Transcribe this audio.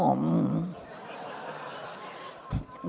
masa sih ngga ada yang masuk lunn